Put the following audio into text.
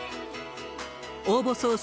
応募総数